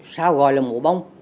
sao gọi là mùa bóng